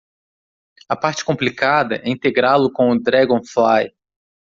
A parte complicada é integrá-lo com o Dragonfly.